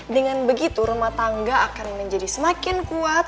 dengan begitu rumah tangga akan menjadi semakin kuat